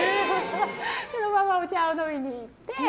そのままお茶を飲みに行って。